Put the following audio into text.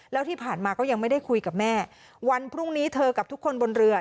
แล้วที่ผ่านมาก็ยังไม่ได้คุยกับแม่วันพรุ่งนี้เธอกับทุกคนบนเรือ